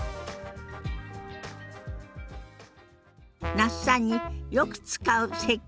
那須さんによく使う接客